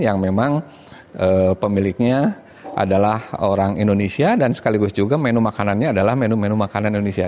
yang memang pemiliknya adalah orang indonesia dan sekaligus juga menu makanannya adalah menu menu makanan indonesia